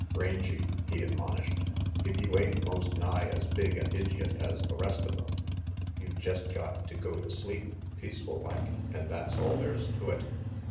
"Rangy," he admonished, "if you ain't most nigh as big an idjiot as the rest of them. You jest got to go to sleep, peaceful like, and that's all there's to it."